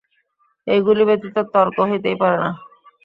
এইগুলি ব্যতীত তর্ক হইতেই পারে না।